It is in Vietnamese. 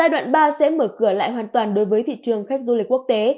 giai đoạn ba sẽ mở cửa lại hoàn toàn đối với thị trường khách du lịch quốc tế